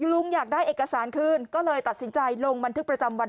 ลุงอยากได้เอกสารคืนก็เลยตัดสินใจลงบันทึกประจำวัน